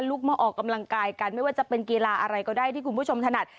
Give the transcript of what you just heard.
มาออกกำลังกายกันไม่ว่าจะเป็นกีฬาอะไรก็ได้ที่คุณผู้ชมถนัด